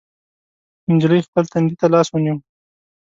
نجلۍ خپل تندي ته لاس ونيو.